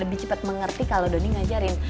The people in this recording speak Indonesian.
lebih cepat mengerti kalau doni ngajarin